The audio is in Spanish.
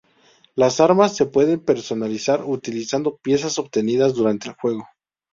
Las armas se pueden personalizar utilizando piezas obtenidas durante el juego.